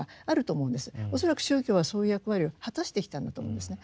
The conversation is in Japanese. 恐らく宗教はそういう役割を果たしてきたんだと思うんですね。